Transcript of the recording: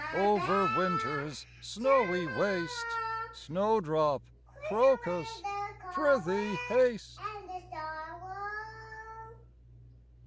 Over winter's snowy waste, Snowdrop, crocus, prythee haste